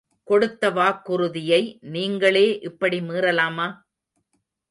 கொடுத்த வாக்குறுதியை நீங்களே இப்படி மீறலாமா?